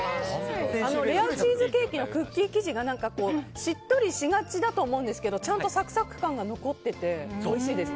レアチーズケーキのクッキー生地がしっとりしがちだと思うんですけどちゃんとサクサク感が残ってておいしいです。